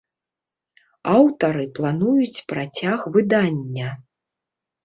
Аўтары плануюць працяг выдання.